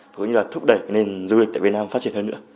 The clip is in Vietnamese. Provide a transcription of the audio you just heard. cũng như là thúc đẩy nền du lịch tại việt nam phát triển hơn nữa